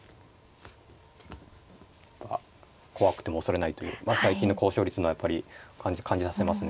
まあ怖くても恐れないという最近の高勝率のやっぱり感じさせますねやっぱり。